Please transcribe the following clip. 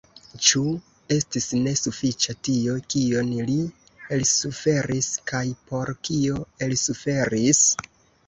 Ĉu estis ne sufiĉa tio, kion li elsuferis kaj por kio elsuferis?